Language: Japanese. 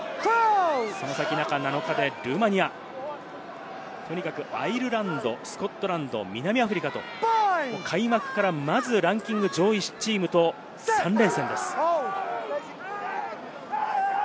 その先、中７日でルーマニア、とにかくアイルランド、スコットランド、南アフリカと開幕から、まずランキング上位チームと３連戦です。